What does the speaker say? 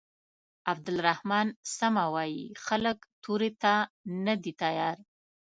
عبدالرحمن سمه وايي خلک تورې ته نه دي تيار.